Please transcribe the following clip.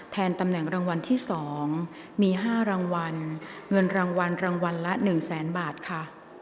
ตำแหน่งรางวัลที่๒มี๕รางวัลเงินรางวัลรางวัลละ๑แสนบาทค่ะ